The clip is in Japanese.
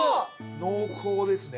濃厚ですね。